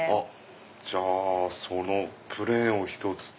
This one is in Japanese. じゃあそのプレーンを１つと。